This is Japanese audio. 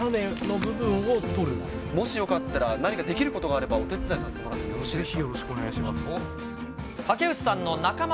もしよかったら、何かできることがあったらお手伝いさせてもらってもよろしいです